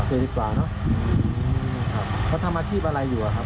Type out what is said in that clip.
ปีกว่าเนอะครับเขาทำอาชีพอะไรอยู่อะครับ